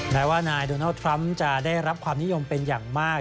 แม้ว่านายโดนัลด์ทรัมป์จะได้รับความนิยมเป็นอย่างมาก